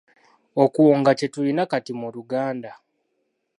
Okuwonga kye tulina kati mu Luganda.